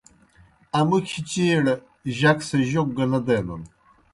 امُکھیْ چیئیڑ جک سہ جوک گہ نہ دینَن۔